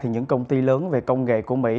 những công ty lớn về công nghệ của mỹ